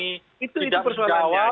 itu itu persoalannya